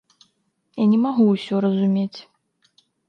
Я не магу ўсё разумець.